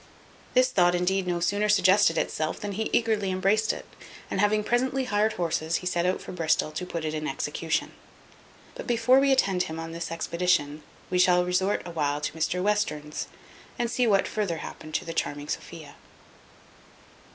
This thought indeed no sooner suggested itself, than he eagerly embraced it; and having presently hired horses, he set out for Bristol to put it in execution. But before we attend him on this expedition, we shall resort awhile to Mr Western's, and see what further happened to the charming Sophia.